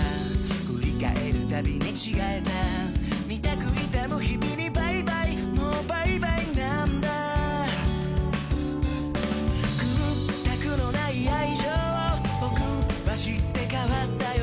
振り返るたび寝違えたみたく痛む日々にバイバイもうバイバイなんだ屈託の無い愛情を僕は知って変わったよ